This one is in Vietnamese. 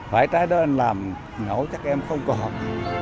phải trái đó anh làm nổi chắc em không còn